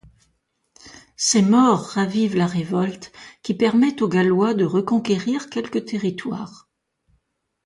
Ces morts ravivent la révolte, qui permet aux Gallois de reconquérir quelques territoires.